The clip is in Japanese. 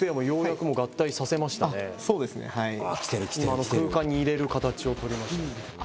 今あの空間に入れる形をとりましたね